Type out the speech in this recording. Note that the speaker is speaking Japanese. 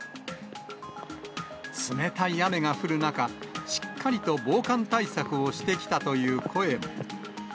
冷たい雨が降る中、しっかりと防寒対策をしてきたという声も。